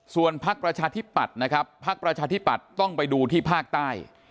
ส่วนภาคประชาธิบัตรนะครับภาคประชาธิบัตรต้องไปดูที่ภาคใต้